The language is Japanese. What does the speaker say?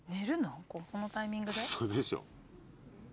ここのタイミングで？